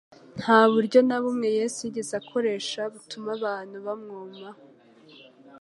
Nta buryo na bumwe Yesu yigeze akoresha butuma abantu bamwomaho